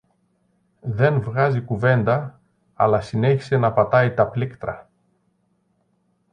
δεν βγάζει κουβέντα αλλά συνέχισε να πατάει τα πλήκτρα